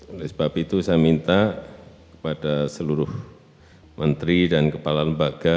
oleh sebab itu saya minta kepada seluruh menteri dan kepala lembaga